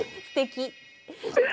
すてき。